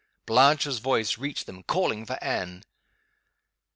Blanche's voice reached them, calling for Anne.